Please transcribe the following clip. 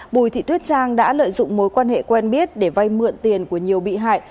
bùi thị tuyết trang đã lợi dụng mối quan hệ quen biết để vay mượn tiền của nhiều bị hại